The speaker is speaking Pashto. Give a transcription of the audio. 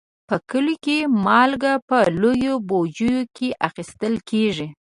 په کلیو کې مالګه په لویو بوجیو کې اخیستل کېږي.